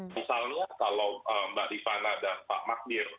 misalnya kalau mbak rifana dan pak magnir